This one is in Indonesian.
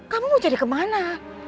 kamu mau cari kemana